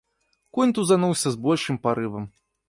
Конь тузануўся з большым парывам.